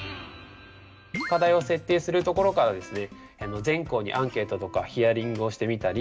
課題を設定するところからですね